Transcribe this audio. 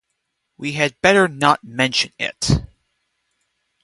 We had better not mention it.